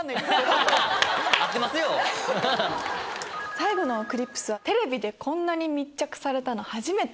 最後のクリップスは「テレビでこんなに密着されたの初めて」。